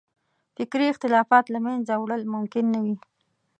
فکري اختلافات له منځه وړل ممکن نه وي.